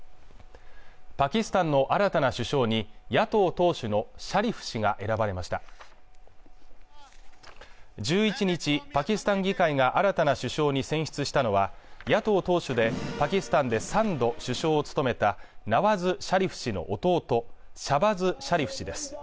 パキスタンの新たな首相に野党党首のシャリフ氏が選ばれました１１日パキスタン議会が新たな首相に選出したのは野党党首でパキスタンで三度首相を務めたナワズ・シャリフ氏の弟シャバズ・シャリフ氏です